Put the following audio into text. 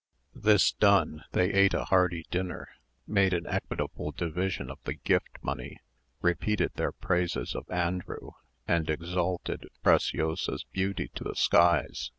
This done, they ate a hearty dinner, made an equitable division of the gift money, repeated their praises of Andrew, and exalted Preciosa's beauty to the skies.